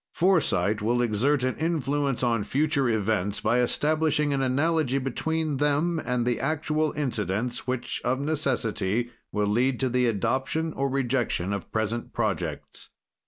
"Foresight will exert an influence on future events by establishing an analogy between them and the actual incidents which, of necessity, will lead to the adoption or rejection of present projects.